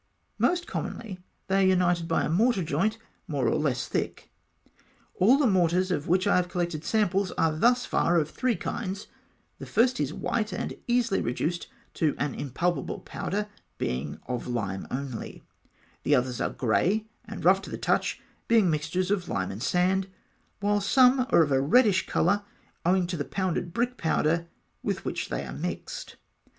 Most commonly, they are united by a mortar joint, more or less thick. All the mortars of which I have collected samples are thus far of three kinds: the first is white, and easily reduced to an impalpable powder, being of lime only; the others are grey, and rough to the touch, being mixtures of lime and sand; while some are of a reddish colour, owing to the pounded brick powder with which they are mixed.